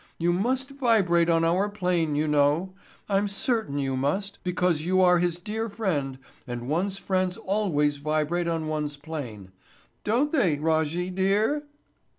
You must vibrate on our plane, you know. I'm certain you must because you are his friend and one's friends always vibrate on one's plane. Don't they, Rajjy, dear?"